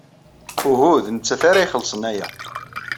Uhu, d nettat ara ixellṣen aya.